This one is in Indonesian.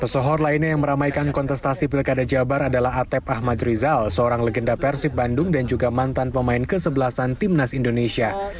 pesohor lainnya yang meramaikan kontestasi pilkada jabar adalah atep ahmad rizal seorang legenda persib bandung dan juga mantan pemain kesebelasan timnas indonesia